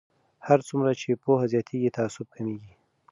هر څومره چې پوهه زیاتیږي تعصب کمیږي.